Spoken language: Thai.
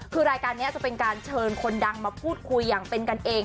คือรายการนี้จะเป็นการเชิญคนดังมาพูดคุยอย่างเป็นกันเอง